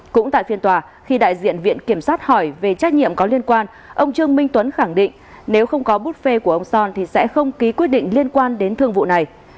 cũng tại phiên tòa khi đại diện viện kiểm sát hỏi về trách nhiệm có liên quan ông trương minh tuấn khẳng định nếu không có bút phê của ông son thì sẽ không ký quyết định liên quan đến thương vụ này